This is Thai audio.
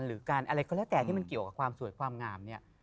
หรือการอะไรก็แล้วแต่ที่มันเกี่ยวกับความสวยความงามเนี่ย